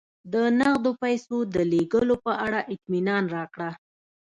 د نغدو پیسو د لېږلو په اړه اطمینان راکړه